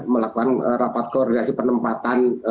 melakukan rapat koordinasi penempatan